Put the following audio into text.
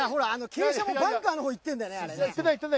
傾斜もバンカーのほう行ってんだよねあれね。